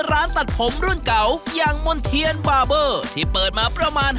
ร้านตัดผมรุ่นเก่าอย่างมณ์เทียนบาร์เบอร์ที่เปิดมาประมาณ